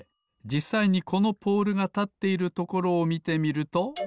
じっさいにこのポールがたっているところをみてみると。